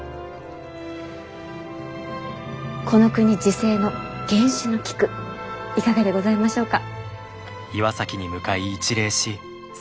この国自生の原種の菊いかがでございましょうか？